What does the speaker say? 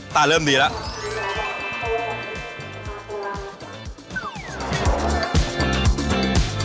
ตาเริ่มดีแล้ว